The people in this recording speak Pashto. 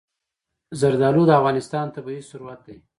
زردالو د افغانستان طبعي ثروت دی.